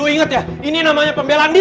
lo inget ya ini namanya pembelandi